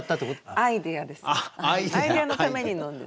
アイデアのために飲んでた。